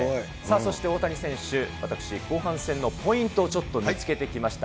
そして大谷選手、私、後半戦のポイントをちょっと見つけてきました。